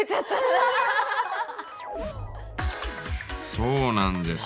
そうなんです。